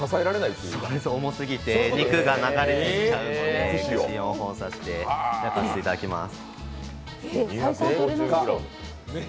そうです、重すぎて肉が流れてきちゃうので串４本刺してやらせていただきます。